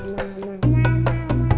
lebih kontinu lagi